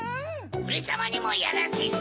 オレさまにもやらせて。